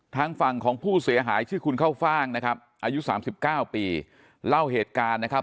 ทางฝั่งของผู้เสียหายชื่อคุณเข้าฟ่างนะครับอายุสามสิบเก้าปีเล่าเหตุการณ์นะครับ